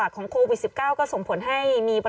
กล้องกว้างอย่างเดียว